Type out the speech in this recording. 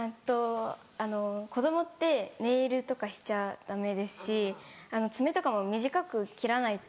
あの子供ってネイルとかしちゃダメですし爪とかも短く切らないと。